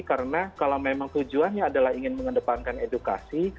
karena kalau memang tujuannya adalah ingin mengedepankan edukasi